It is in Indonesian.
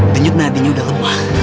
denyut nantinya udah lemah